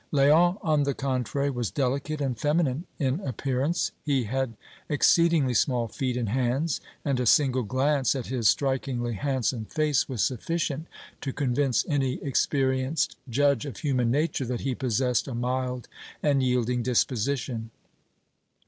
Léon, on the contrary, was delicate and feminine in appearance; he had exceedingly small feet and hands, and a single glance at his strikingly handsome face was sufficient to convince any experienced judge of human nature that he possessed a mild and yielding disposition.